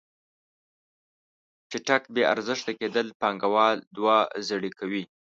چټک بې ارزښته کیدل پانګوال دوه زړې کوي.